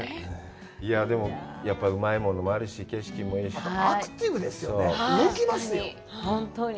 でもやっぱりうまいものもあるし景色もいいし。